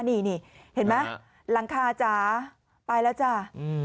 นี่เห็นไหมหลังคาจ๋าไปแล้วจ้า